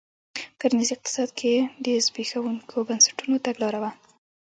په کرنیز اقتصاد کې د زبېښونکو بنسټونو تګلاره وه.